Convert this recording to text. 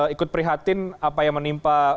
ikut prihatin apa yang menimpa